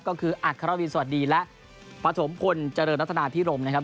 ก็คืออัครวินสวัสดีและปฐมพลเจริญรัฐนาพิรมนะครับ